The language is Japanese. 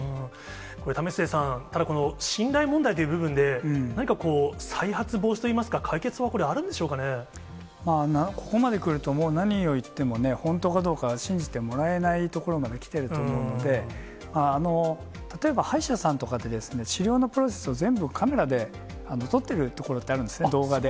これ、為末さん、ただこの信頼問題という部分で、何かこう、再発防止といいますか、解決法はここまでくると、もう何を言っても本当かどうか、信じてもらえないところまで来てると思うので、例えば、歯医者さんとかで、治療のプロセスを全部カメラで撮ってるところってあるんですね、動画で。